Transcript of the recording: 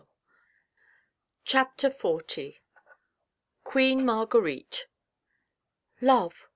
o CHAPTER XL QUEEN MARGUERITE Love